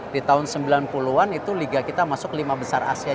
di tahun sembilan puluh an itu liga kita masuk lima besar asia